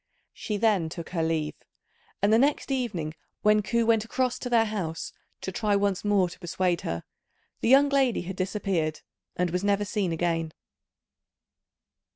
She then took her leave, and the next evening when Ku went across to their house to try once more to persuade her, the young lady had disappeared, and was never seen again.